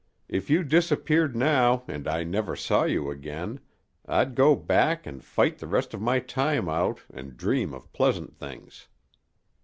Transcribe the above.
If you disappeared now and I never saw you again I'd go back and fight the rest of my time out, an' dream of pleasant things.